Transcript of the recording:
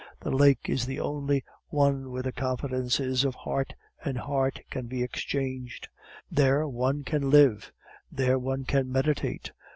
The lake is the only one where the confidences of heart and heart can be exchanged. There one can live; there one can meditate.